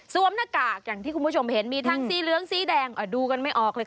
หน้ากากอย่างที่คุณผู้ชมเห็นมีทั้งสีเหลืองสีแดงดูกันไม่ออกเลยค่ะ